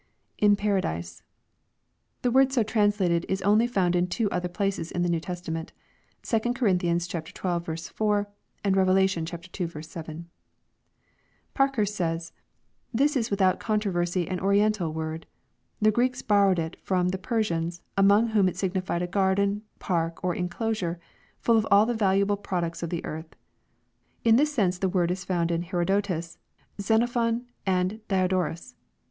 [In paradise.] The word so translated is only found in two other places in the New Testament (2 Cor. xii. 4, and Rev. ii. 7.) Parkhurst says, " This is without controversy an oriental word. The G reeks borrowed it from the Persians, among whom it signi fied a garden, park, or inclosure, full of all the valuable products of the earth. In this sense the word is found in Herodotus, Xen ophon, and Diodorus.